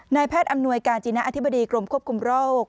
แพทย์อำนวยกาจินะอธิบดีกรมควบคุมโรค